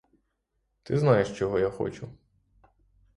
Ти знаєш, чого я хочу.